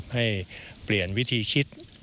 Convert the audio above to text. ให้เปลี่ยนวิธีคิด